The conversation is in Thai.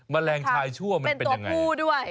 แมลงชายชั่วมันเป็นอย่างไรเป็นตัวผู้ด้วย